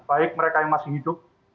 baik mereka yang masih hidup